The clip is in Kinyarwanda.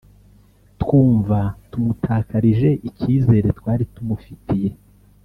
twumva tumutakarije icyizere twari tumufitiye